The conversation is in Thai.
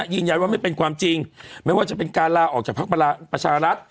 ยืนยันว่าไม่เป็นความจริงไม่ว่าจะเป็นการลาออกจากภักดิ์ประชารัฐ